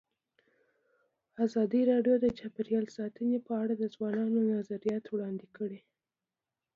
ازادي راډیو د چاپیریال ساتنه په اړه د ځوانانو نظریات وړاندې کړي.